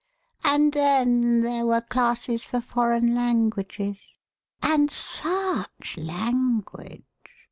And then there were classes for foreign languages. And such language!"